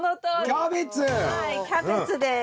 はいキャベツです。